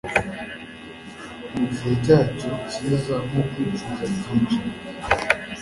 Mugihe cyacyo kiza nko kwicuza byica